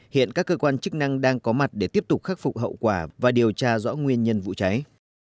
hiện các cơ quan chức năng đang có mặt để tiếp tục khắc phục hậu quả và điều tra rõ nguyên nhân vụ cháy